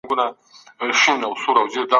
چپیانو نظامي برخورد او کودتا وکړه.